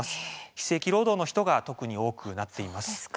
非正規労働の人が特に多くなっています。